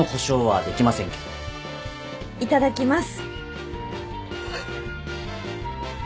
いただきます。